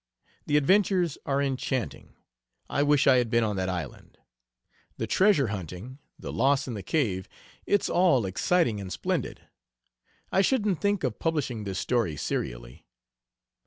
The adventures are enchanting. I wish I had been on that island. The treasure hunting, the loss in the cave it's all exciting and splendid. I shouldn't think of publishing this story serially.